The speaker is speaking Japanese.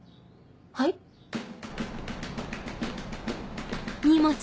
はい？